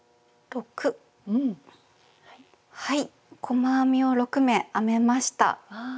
細編みを６目編めました。